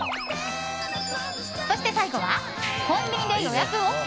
そして最後はコンビニで予約ＯＫ